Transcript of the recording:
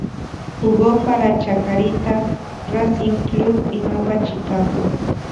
Jugó para Chacarita, Racing Club y Nueva Chicago.